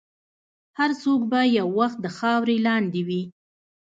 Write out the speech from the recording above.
هر څوک به یو وخت د خاورې لاندې وي.